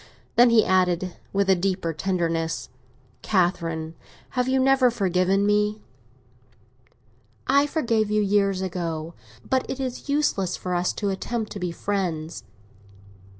Then he added, with a deeper tenderness, "Catherine, have you never forgiven me?" "I forgave you years ago, but it is useless for us to attempt to be friends."